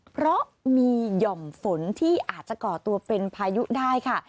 เพราะมีหย่อมฝนที่อาจจะก่อตัวเป็นพายุได้ค่ะ